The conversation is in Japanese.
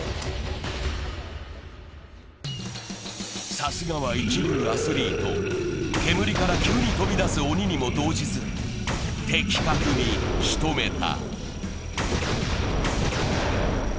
さすがは一流アスリート、煙から急に飛び出す鬼にも動じず的確に仕留めた。